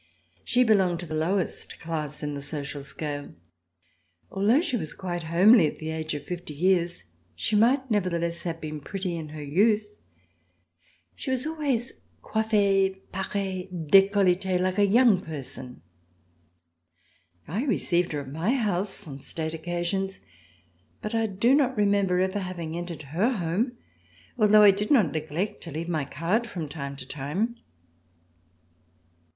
She belonged to the lowest class in the social scale. Although she was quite homely at the age of fifty years, she might nevertheless have been pretty in her youth. She was always coiffee, puree, decolletee like a young person. I received her at my house on State occasions, but I do not remember ever having entered her home, although I did not neglect to leave my card from time to time.